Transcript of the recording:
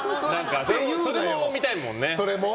それも見たいもんね。